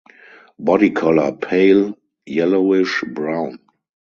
Body color pale yellowish brown.